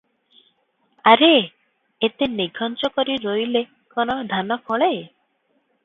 ଆରେ, ଏତେ ନିଘଞ୍ଚ କରି ରୋଇଲେ କଣ ଧାନ ଫଳେ?